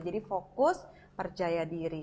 jadi fokus percaya diri